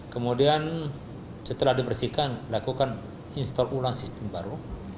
kemudian setelah dibersihkan lakukan install ulang sistem baru